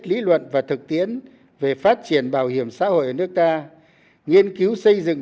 lý luận và thực tiễn về phát triển bảo hiểm xã hội ở nước ta nghiên cứu xây dựng